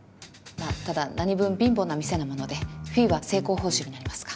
まあただ何分貧乏な店なものでフィーは成功報酬になりますが。